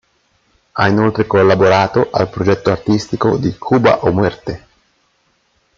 Ha inoltre collaborato al progetto artistico di "Cuba o muerte!